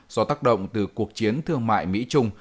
do tác động từ cuộc chiến thương mại mỹ trung